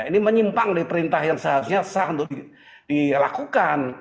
ini menyimpang di perintah yang seharusnya sah untuk dilakukan